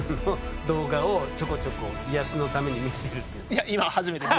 いや今初めて。